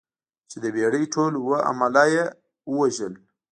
چې د بېړۍ ټول اووه عمله یې ووژل.